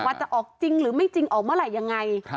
ว่าจะออกจริงหรือไม่จริงออกเมื่อไหร่ยังไง